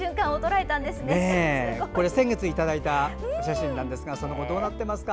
先月いただいたお写真なんですがその後どうなってますか。